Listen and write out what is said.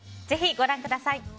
ぜひご覧ください。